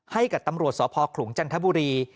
ให้กับตำรวจสพขลุงจันทบุรี